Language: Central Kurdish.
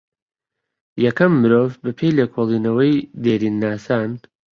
یەکەم مرۆڤ بە پێێ لێکۆڵێنەوەی دێرین ناسان